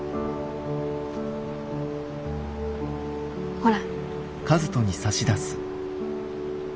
ほら。